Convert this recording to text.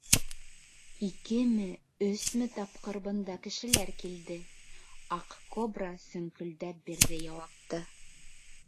— Икеме, өсмө тапҡыр бында кешеләр килде, — Аҡ кобра сөңкөлдәп бирҙе яуапты.